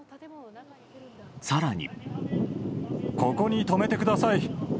更に。